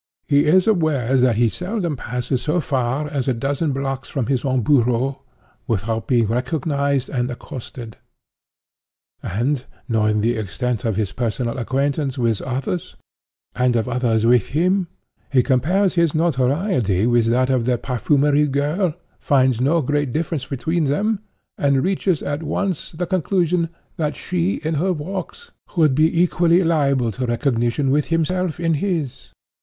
He is aware that he seldom passes so far as a dozen blocks from his own bureau, without being recognized and accosted. And, knowing the extent of his personal acquaintance with others, and of others with him, he compares his notoriety with that of the perfumery girl, finds no great difference between them, and reaches at once the conclusion that she, in her walks, would be equally liable to recognition with himself in his.